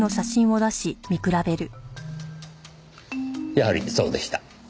やはりそうでした。